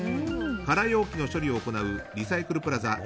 空容器の処理を行うリサイクルプラザ